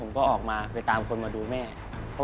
ย่าเขาบอกว่าพาไปหาลงพ่อที่ศรีสะเกษ